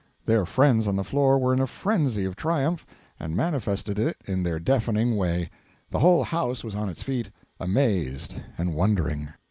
Their friends on the floor were in a frenzy of triumph, and manifested it in their deafening way. The whole House was on its feet, amazed and wondering.